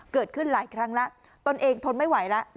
เกิดขึ้นหลายครั้งแล้วตนเองทนไม่ไหวแล้ว